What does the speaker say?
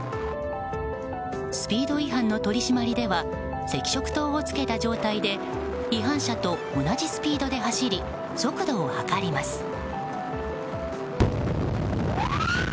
スピード違反の取り締まりでは赤色灯をつけた状態で違反者と同じスピードで走り速度を測ります。